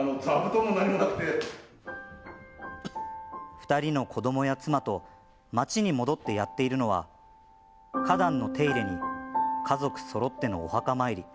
２人の子どもや妻と町に戻って、やっているのは花壇の手入れに家族そろってのお墓参り。